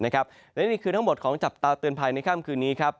และนี่คือทั้งหมดของจับตาเตือนภัยในค่ำคืนนี้ครับ